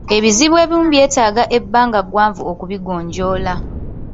Ebizibu ebimu byetaaga ebbanga ggwanvu okubigonjoola.